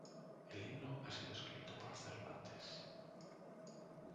El libro ha sido escrito por Cervantes.